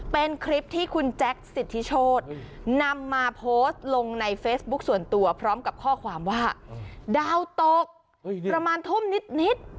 เป็นคลิปที่คุณแจ็คสิทธิโชธนำมาโพสต์ลงในเฟซบุ๊คส่วนตัวพร้อมกับข้อความว่าดาวตกประมาณทุ่มนิด